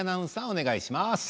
お願いします。